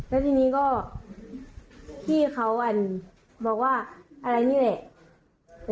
แล้วทีนี้ก็พี่เขาบอกว่าอะไรนี่แหละ